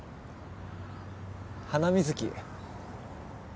ハナミズキ。